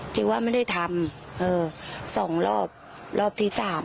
จิ๊กว่าไม่ได้ทำสองรอบรอบทีสาม